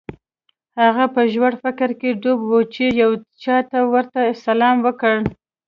هغه په ژور فکر کې ډوب و چې یو چا ورته سلام وکړ